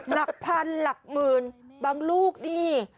หลักพันหลักหมื่นบางลูกนี่